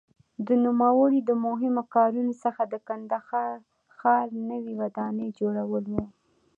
د نوموړي د مهمو کارونو څخه د کندهار ښار نوې ودانۍ جوړول وو.